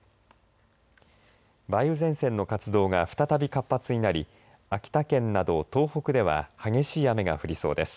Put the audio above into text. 梅雨前線の活動が再び活発になり秋田県など東北では激しい雨が降りそうです。